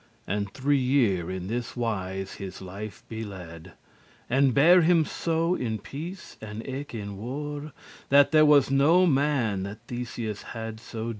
And three year in this wise his life be lad*, *led And bare him so in peace and eke in werre*, *war There was no man that Theseus had so derre*.